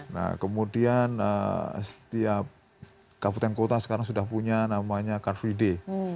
nah kemudian setiap kabupaten kota sekarang sudah punya namanya carvide